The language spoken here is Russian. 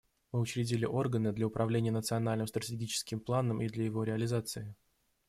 Мы учредили органы для управления национальным стратегическим планом и для его реализации.